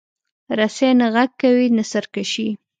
رسۍ نه غږ کوي، نه سرکشي.